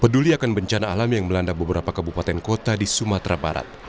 peduli akan bencana alam yang melanda beberapa kabupaten kota di sumatera barat